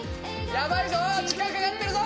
・ヤバいぞ時間かかってるぞ！